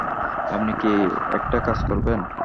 আপনি কি একটা কাজ করবেন?